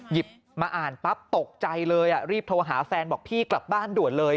หยิบมาอ่านปั๊บตกใจเลยรีบโทรหาแฟนบอกพี่กลับบ้านด่วนเลย